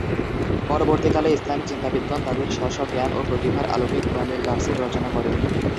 পরবর্তীকালে ইসলামী চিন্তাবিদগণ তাঁদের স্ব-স্ব জ্ঞান ও প্রতিভার আলোকে কুরআনের তাফসির রচনা করেন।